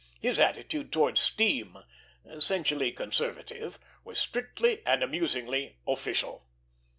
His attitude towards steam, essentially conservative, was strictly and amusingly official.